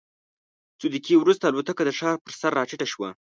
څو دقیقې وروسته الوتکه د ښار پر سر راټیټه شوه.